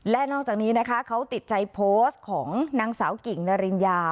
และนอกจากนี้นะคะเขาติดใจโพสต์ของนางสาวกิ่งนาริญญา